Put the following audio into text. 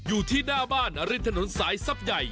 อยู่ที่หน้าบ้านริมถนนสายทรัพย์ใหญ่